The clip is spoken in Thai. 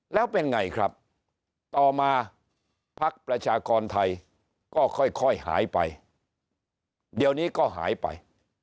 แล้วเป็นไงครับต่อมาพักประชากรไทยก็ค่อยหายไปเดี๋ยวนี้ก็หายไป